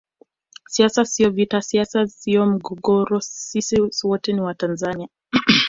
Siasa sio vita siasa sio mgogoro sisi sote ni Watanzania